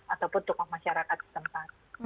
ataupun tokoh masyarakat tempat